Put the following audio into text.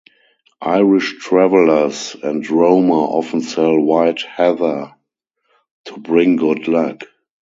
Irish Travelers and Roma often sell white heather to "bring good luck".